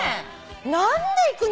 何で行くの？